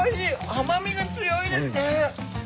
甘みが強いですね。